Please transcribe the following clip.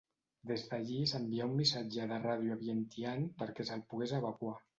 Des d'allí s'envià un missatge de ràdio a Vientiane perquè se'l pogués evacuar.